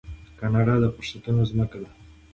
کاناډا د فرصتونو ځمکه ده.